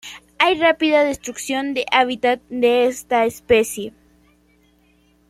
Hay rápida destrucción de hábitat de esta especie.